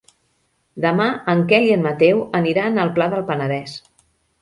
Demà en Quel i en Mateu aniran al Pla del Penedès.